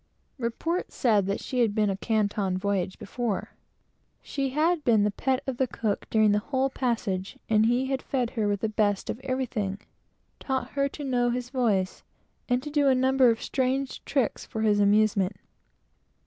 Report said that she had been a Canton voyage before. She had been the pet of the cook during the whole passage, and he had fed her with the best of everything, and taught her to know his voice, and to do a number of strange tricks for his amusement.